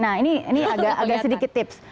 nah ini agak sedikit tips